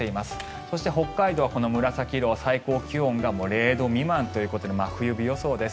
そして、北海道はこの紫色は最高気温が０度未満ということで真冬日予想です。